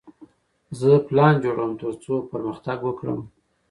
زه پلان جوړوم ترڅو پرمختګ وکړم.